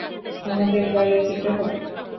আমাদের বাইরে যেতে হবে।